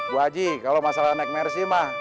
bu haji kalau masalah naik mersi mah